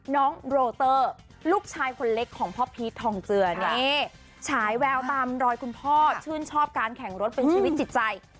น้องโรเตอร์ลูกชายคนเล็กของพ่อพีชทองเจือนี่ฉายแววตามรอยคุณพ่อชื่นชอบการแข่งรถเป็นชีวิตจิตใจ